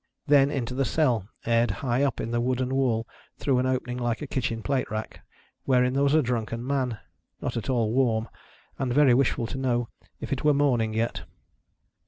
Then, into the cell, aired high up in the wooden wall through AH opening like a kitchen plate rack : wherein there was a drunken man, not at all warm, And very wishful to know if it were morning yet.